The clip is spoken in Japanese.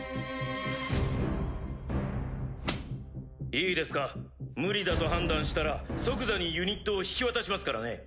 いいですか無理だと判断したら即座にユニットを引き渡しますからね。